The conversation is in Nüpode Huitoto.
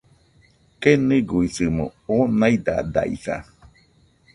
Keniguisɨmo oo naidadaisa